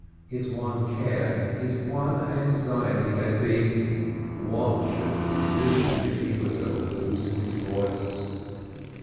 His one care, his one anxiety had been, what should he do if he were to lose his voice?